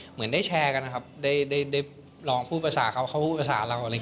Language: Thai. เหมือนได้แชร์กันนะครับได้ลองพูดภาษาเขาเข้าพูดภาษาเรา